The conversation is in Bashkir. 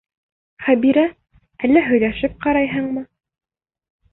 Хәбирә, әллә һөйләшеп ҡарайһыңмы?